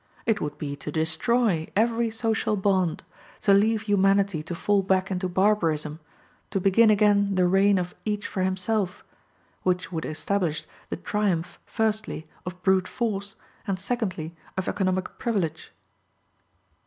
It would be to destroy, every social bond, to leave humanity to fall back into barbarism, to begin again the reign of "each for himself;" which would establish the triumph, firstly, of brute force, and, secondly, of economic privilege.